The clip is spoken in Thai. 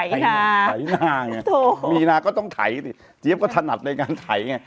ถ่ายหน้าถ่ายหน้าไงโถมีนาก็ต้องถ่ายสิเจี๊ยบก็ถนัดในการถ่ายไง